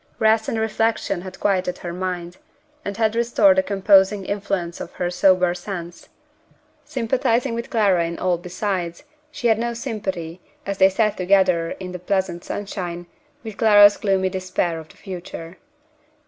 Rest and reflection had quieted her mind, and had restored the composing influence of her sober sense. Sympathizing with Clara in all besides, she had no sympathy, as they sat together in the pleasant sunshine, with Clara's gloomy despair of the future.